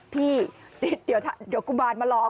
พี่เดี๋ยวกูบอนมาหลอก